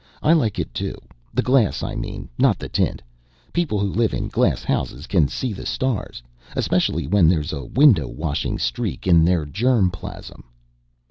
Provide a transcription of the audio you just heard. "I like it too the glass, I mean, not the tint. People who live in glass houses can see the stars especially when there's a window washing streak in their germ plasm."